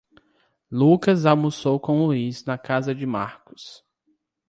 Lucas almoçou com Luiz na casa de Marcos.